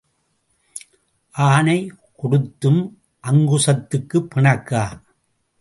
ஆனை கொடுத்தும் அங்குசத்துக்குப் பிணக்கா?